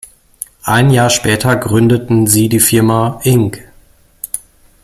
Ein Jahr später gründeten sie die Firma "Ing.